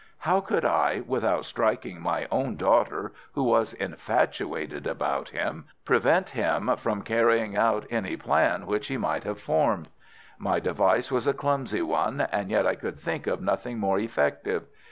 How could I, without striking my own daughter, who was infatuated about him, prevent him from carrying out any plan which he might have formed? My device was a clumsy one, and yet I could think of nothing more effective.